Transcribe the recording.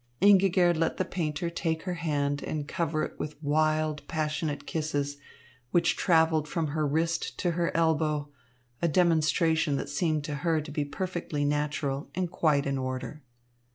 Ingigerd let the painter take her hand and cover it with wild, passionate kisses, which travelled from her wrist to her elbow, a demonstration that seemed to her to be perfectly natural and quite in order.